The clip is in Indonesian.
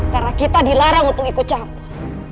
karena kita dilarang untuk ikut campur